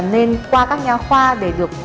nên qua các nhà khoa để được